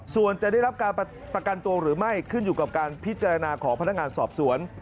ส่วนจะได้รับการประกันตัวหรือไม่ขึ้นอยู่กับการพิจารณาของพนักงานสอบสวน